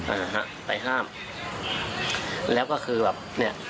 อ่าฮะไปห้ามแล้วก็คือแบบเนี้ย